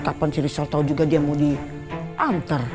kapan si rizal tau dia mau diantar